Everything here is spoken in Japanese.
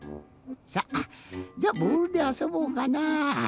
さあじゃボールであそぼうかなあ。